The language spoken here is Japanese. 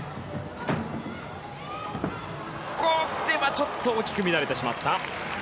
ちょっと大きく乱れてしまった。